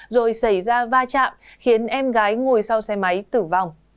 rồi xảy ra va chạm khiến em gái ngồi sau xe máy tử vong